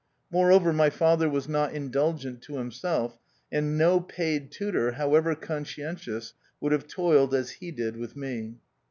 Moreover, my father was not indulgent to himself, and no paid tutor, however conscientious, would have toiled as he did with me.